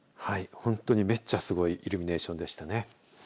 本当にめっちゃすごいイルミネーションでしたね。